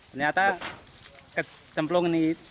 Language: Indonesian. ternyata kecemplung ini